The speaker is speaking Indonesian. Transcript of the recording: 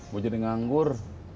gue jadi nganggur